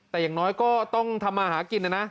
แต่อย่างน้อยก็ต้องทำมาหากินนะนะ